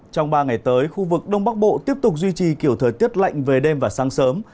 trong ba ngày tới khu vực đông bắc bộ tiếp tục duy trì kiểu thời tiết lạnh về đêm và sáng sớm